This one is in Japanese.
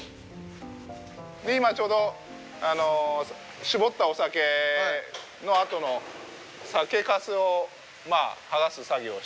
今ちょうど搾ったお酒のあとの酒かすを剥がす作業をしてます。